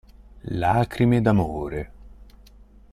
Lacrime d'amore